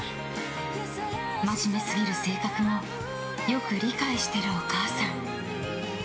真面目すぎる性格もよく理解してるお母さん。